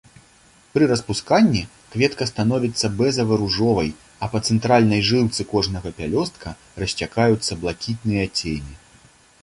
Пры распусканні кветка становіцца бэзава-ружовай, а па цэнтральнай жылцы кожнага пялёстка расцякаюцца блакітныя цені.